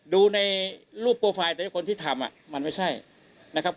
ดูในรูปโปรไฟล์แต่คนที่ทำมันไม่ใช่นะครับ